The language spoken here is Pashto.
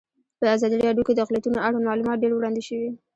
په ازادي راډیو کې د اقلیتونه اړوند معلومات ډېر وړاندې شوي.